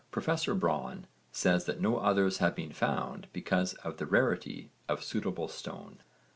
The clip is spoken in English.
Professor Braun says that no others have been found because of the rarity of suitable stone.